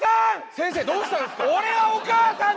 先生どうしたんですか？